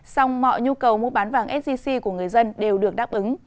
song mọi nhu cầu mua bán vàng sgc của người dân đều được đáp ứng